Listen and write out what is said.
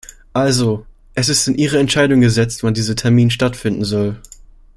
Also, es ist in Ihre Entscheidung gesetzt, wann dieser Termin stattfinden soll.